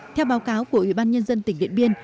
theo báo cáo của ủy ban nhân dân tỉnh điện biên